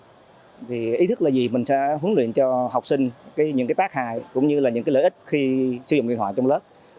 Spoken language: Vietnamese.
thì ý thức là gì mình sẽ huấn luyện cho học sinh những cái tác hại cũng như là những cái lợi ích khi sử dụng điện thoại trong lớp